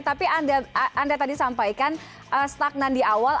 tapi anda tadi sampaikan stagnan di awal